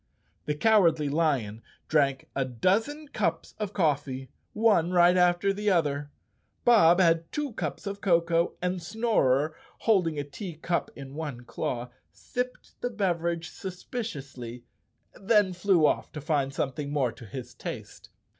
The Cowardly Lion drank a dozen cups of coffee, one right after the other. Bob had two cups of cocoa, and Snorer, holding a tea cup in one claw, sipped the beverage suspiciously, then flew off to find something more to his taste.